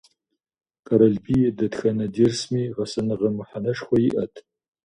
Къэралбий и дэтхэнэ дерсми гъэсэныгъэ мыхьэнэшхуэ иӀэт.